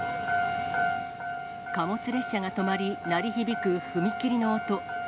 貨物列車が止まり、鳴り響く踏切の音。